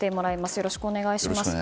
よろしくお願いします。